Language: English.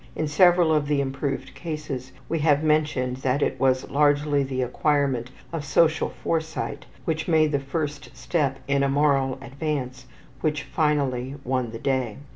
In several of the improved cases we have mentioned that it was largely the acquirement of social foresight which made the first step in a moral advance which finally won the day.